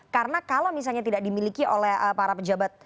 karena kalau misalnya tidak dimiliki oleh para pejabat